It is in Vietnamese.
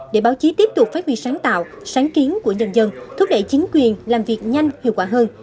để báo chí tiếp tục phát huy sáng tạo sáng kiến của nhân dân thúc đẩy chính quyền làm việc nhanh hiệu quả hơn